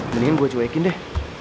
mendingan gue cuekin deh